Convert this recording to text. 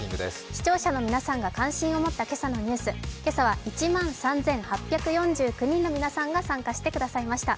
視聴者の皆さんが関心を持った今朝のニュース、今朝は１万３８４９人の皆さんが参加してくれました。